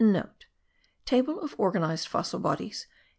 (* Table of Organized Fossil Bodies, 1824.)